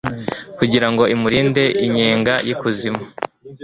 kugira ngo imurinde inyenga y'ikuzimu